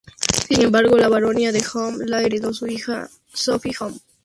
Sin embargo, la baronía de Howe la heredó su hija Sophie Howe.